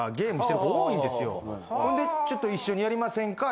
ほんでちょっと「一緒にやりませんか？」